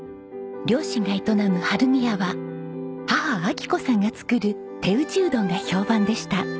両親が営む春見屋は母昭子さんが作る手打ちうどんが評判でした。